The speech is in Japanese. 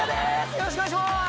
よろしくお願いします。